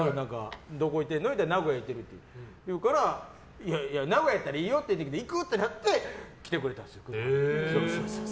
どこいてるの？って言ったら名古屋いてるって言うからいや、名古屋やったらいいよって言ったけど行く！ってなって来てくれたんです。